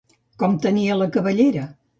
Com tenia la cabellera?